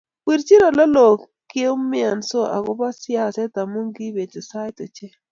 wirchi oleloo keumianso agoba siaset amu kibeti sait ochei